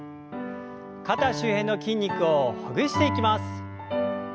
肩周辺の筋肉をほぐしていきます。